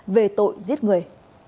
về tội giết người